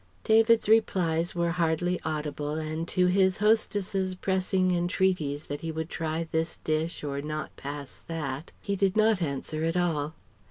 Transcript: David's replies were hardly audible, and to his hostess's pressing entreaties that he would try this dish or not pass that, he did not answer at all.